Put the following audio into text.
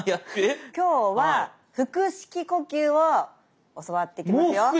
今日は腹式呼吸を教わっていきますよ。